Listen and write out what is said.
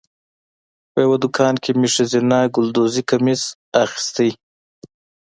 په یوه دوکان کې مې ښځینه ګلدوزي کمیس اخیستلو.